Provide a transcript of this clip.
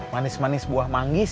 manis manis buah manggis